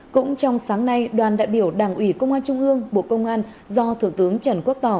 cũng trong sáng nay đoàn đại biểu đảng ủy công an trung ương bộ công an do thượng tướng trần quốc tỏ